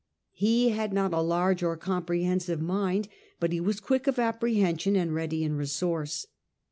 He had not a large or comprehensive mind, but he was quick of apprehension and ready in resource.